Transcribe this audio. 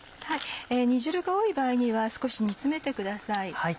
煮汁が多い場合には少し煮詰めてください。